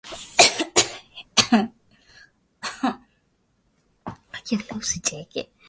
ya kuendelea inaweza kukuchochea Jitoe siku moja